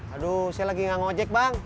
aduh saya lagi gak ngojek bang